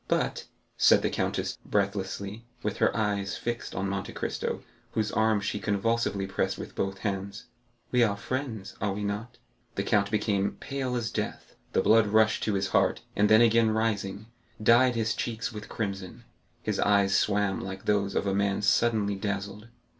"But," said the countess, breathlessly, with her eyes fixed on Monte Cristo, whose arm she convulsively pressed with both hands, "we are friends, are we not?" The count became pale as death, the blood rushed to his heart, and then again rising, dyed his cheeks with crimson; his eyes swam like those of a man suddenly dazzled.